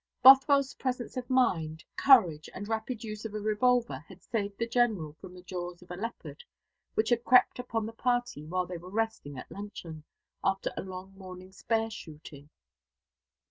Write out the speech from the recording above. Bothwell's presence of mind, courage, and rapid use of a revolver had saved the General from the jaws of a leopard, which had crept upon the party while they were resting at luncheon, after a long morning's bear shooting.